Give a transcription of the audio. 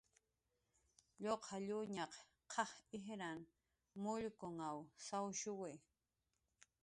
Lluqallkunaq q'aj ijran mullkunw sawshuwi